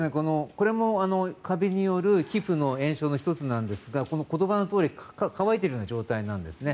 これもカビによる皮膚の炎症の１つなんですが言葉のとおり乾いているような状態なんですね。